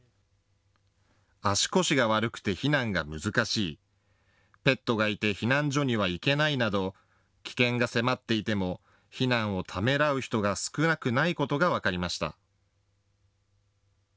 足腰が悪くて避難が難しい、ペットがいて避難所には行けないなど危険が迫っていても避難をためらう人が少なくないことが分かりました。